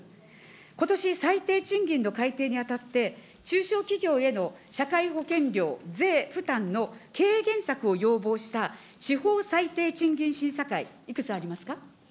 ことし、最低賃金の改定にあたって、中小企業への社会保険料、税負担の軽減策を要望した地方最低賃金審査会、いくつありますか。